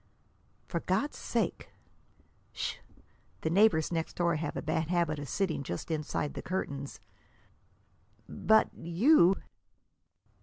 "For God's sake!" "Sh! The neighbors next door have a bad habit of sitting just inside the curtains." "But you!"